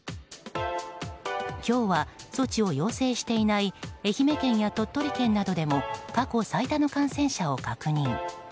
今日は措置を要請していない愛媛県や鳥取県などでも過去最多の感染者を確認。